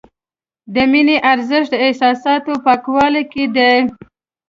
د مینې ارزښت د احساساتو پاکوالي کې دی.